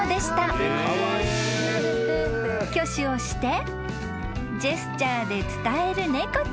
［挙手をしてジェスチャーで伝える猫ちゃん］